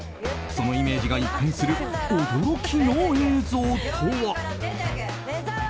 そのイメージが一変する驚きの映像とは？